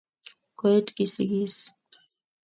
koet kosigis.